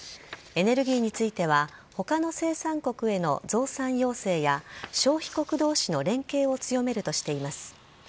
エネルギーについては他の生産国への増産要請や消費国同士の連携を強めるとしています。